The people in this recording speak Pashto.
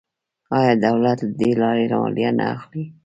آیا دولت له دې لارې مالیه نه اخلي؟